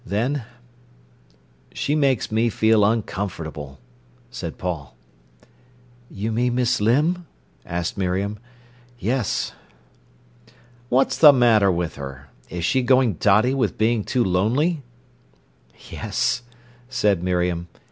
Then: "She makes me feel uncomfortable," said Paul. "You mean Miss Limb?" asked Miriam. "Yes." "What's a matter with her? Is she going dotty with being too lonely?" "Yes," said Miriam.